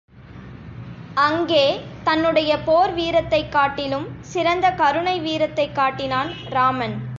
அங்கே தன்னுடைய போர் வீரத்தைக் காட்டிலும் சிறந்த கருணை வீரத்தைக் காட்டினான் இராமன்.